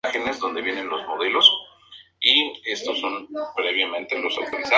Las remeras secundarias se orientan en el sentido del viento.